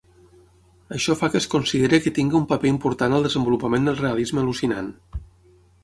Açò fa que es consideri que tinga un paper important al desenvolupament del realisme al·lucinant.